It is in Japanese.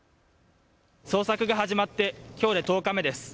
捜索が始まってきょうで１０日目です。